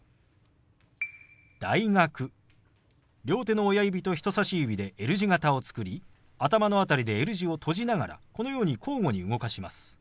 両手の親指と人さし指でＬ字型を作り頭の辺りでＬ字を閉じながらこのように交互に動かします。